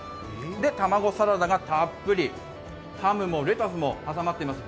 たまごサラダがたっぷりハムもレタスも挟まっています。